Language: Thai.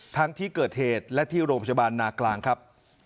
ทั้งที่เกิดเหตุและที่โรงพยาบาลนากลางครับ